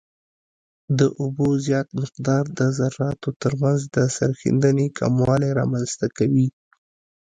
د اوبو زیات مقدار د ذراتو ترمنځ د سریښېدنې کموالی رامنځته کوي